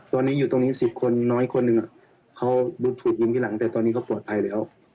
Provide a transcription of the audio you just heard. ตอนนี้อยู่ตรงนี้๑๐คนน้อยคนหนึ่งเขาถูกยิงที่หลังแต่ตอนนี้เขาปลอดภัยแล้ว